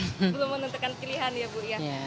belum menentukan pilihan ya bu ya